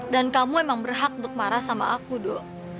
dan kamu emang berhak untuk marah sama aku do